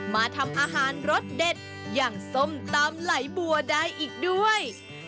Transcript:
มาทำอาหารรสเด็ดอย่างส้มตำไหลบัวได้อีกด้วย